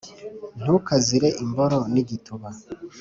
ntukazire imboro n'igituba